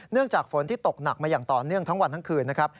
จากฝนที่ตกหนักมาอย่างต่อเนื่องทั้งวันทั้งคืนนะครับ